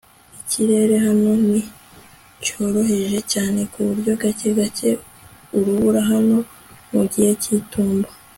ikirere hano ni cyoroheje cyane, ku buryo gake gake urubura hano no mu gihe cy'itumba